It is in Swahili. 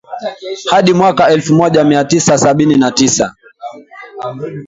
hadi mwaka elfu moja mia tisa sabini na sita